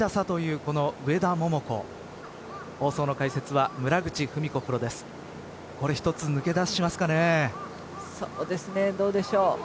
どうでしょう。